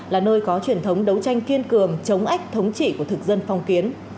là nơi có truyền thống đấu tranh kiên cường chống ách thống trị của thực dân phong kiến